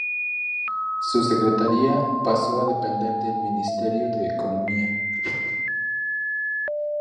Su Secretaría pasó a depender del Ministerio de Economía.